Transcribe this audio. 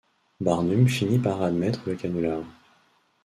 Barnum finit par admettre le canular.